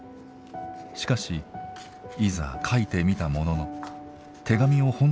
しかしいざ書いてみたものの手紙を本当に出すか。